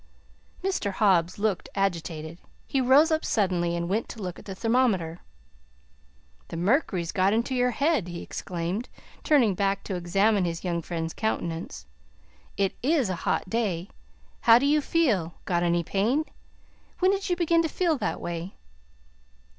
Mr. Hobbs looked agitated. He rose up suddenly and went to look at the thermometer. "The mercury's got into your head!" he exclaimed, turning back to examine his young friend's countenance. "It IS a hot day! How do you feel? Got any pain? When did you begin to feel that way?"